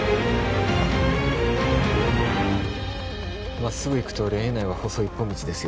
まっすぐ行くと霊園内は細い一本道ですよ。